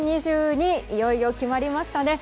いよいよ決まりましたね。